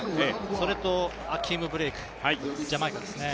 それと、アキーム・ブレイクジャマイカですね